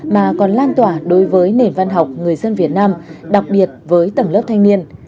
mà còn lan tỏa đối với nền văn học người dân việt nam đặc biệt với tầng lớp thanh niên